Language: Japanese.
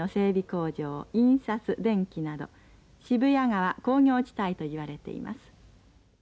工場印刷、電気など渋谷川工業地帯といわれています。